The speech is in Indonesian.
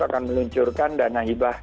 akan meluncurkan dana hibah